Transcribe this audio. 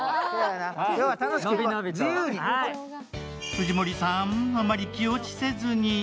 藤森さん、あまり気落ちせずに。